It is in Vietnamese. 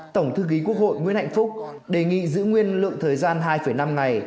tổng thư ký quốc hội nguyễn hạnh phúc đề nghị giữ nguyên lượng thời gian hai năm ngày